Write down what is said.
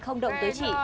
không động tới chị